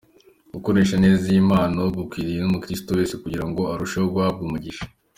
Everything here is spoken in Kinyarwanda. Gukoresha neza iyo mpano gukwiriye umukiristo wese, kugira ngo urusheho guhabwa umugisha.